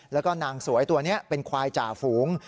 แล้วก็นางสวยตัวนี้เป็นควายจ่าฝูง